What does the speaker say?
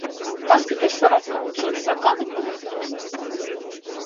Paskaties sev apkārt, šoreiz atkal neko nepirksi?